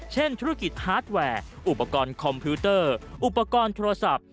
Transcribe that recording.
เช่นธุรกิจฮาร์ดแวร์อุปกรณ์คอมพิวเตอร์อุปกรณ์โทรศัพท์